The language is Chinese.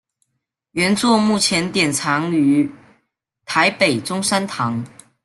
原作目前典藏于台北中山堂。